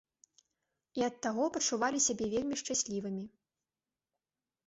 І ад таго пачувалі сябе вельмі шчаслівымі.